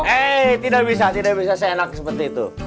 eh tidak bisa tidak bisa seenak seperti itu